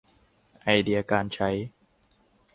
ไอเดียการใช้